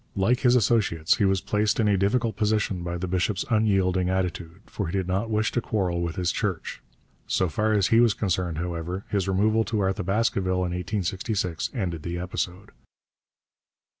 Like his associates, he was placed in a difficult position by the bishop's unyielding attitude, for he did not wish to quarrel with his Church. So far as he was concerned, however, his removal to Arthabaskaville in 1866 ended the episode.